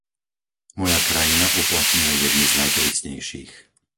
Moja krajina uplatňuje jedny z najprísnejších.